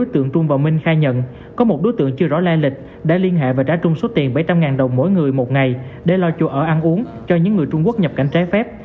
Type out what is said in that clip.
trung sẽ liên hệ và trả trung số tiền bảy trăm linh đồng mỗi người một ngày để lo chùa ở ăn uống cho những người trung quốc nhập cảnh trái phép